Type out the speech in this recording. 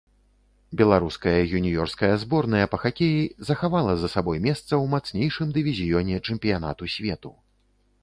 Беларуская юніёрская зборная па хакеі захавала за сабой месца ў мацнейшым дывізіёне чэмпіянату свету.